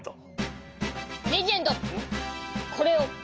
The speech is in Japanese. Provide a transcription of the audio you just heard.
レジェンドこれを。